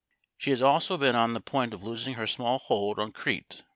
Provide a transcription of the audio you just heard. She has also been on the point of losing her small hold on Crete.